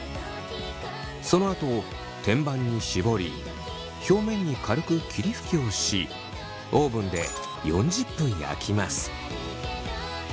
そのあと天板に絞り表面に軽く霧吹きをしオーブンで４０分焼きます。